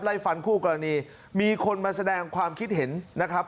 ไล่ฟันคู่กรณีมีคนมาแสดงความคิดเห็นนะครับ